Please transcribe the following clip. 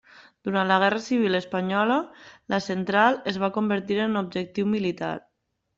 Durant la Guerra Civil Espanyola la central es va convertir en objectiu militar.